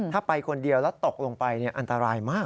ถ้าไปคนเดียวแล้วตกลงไปอันตรายมาก